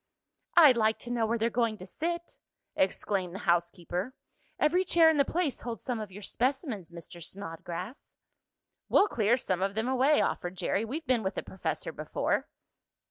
"I'd like to know where they're going to sit!" exclaimed the housekeeper. "Every chair in the place holds some of your specimens, Mr. Snodgrass." "We'll clear some of them away," offered Jerry. "We've been with the professor before."